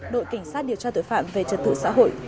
đội cảnh sát điều tra tội phạm về trật tự xã hội